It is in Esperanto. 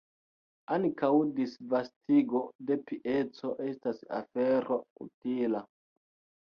Ankaŭ disvastigo de pieco estas afero utila.